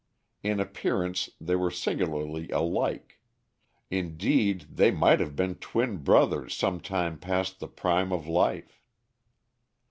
In appearance they were singularly alike; indeed, they might have been twin brothers some time past the prime of life.